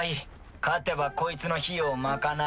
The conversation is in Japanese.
勝てばこいつの費用を賄える。